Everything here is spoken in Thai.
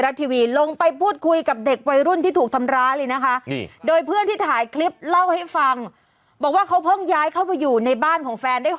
อาจจะจับใจความได้ไม่หมดแล้วก็พูดอะไรกันน่ะนะ